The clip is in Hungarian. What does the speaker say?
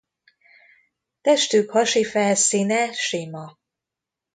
Testük hasi felszíne sima.